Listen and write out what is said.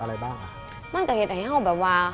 อะไรบ้างคะมันก็เหตุอย่างนี้ค่ะว่า